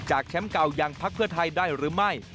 จากแชมป์เก่ายังภักษ์เพื่อไทยได้หรือไม่